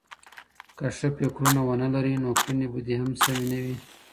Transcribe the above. که ښه فکرونه ونه لرې نو کړني به دي هم سمي نه وي.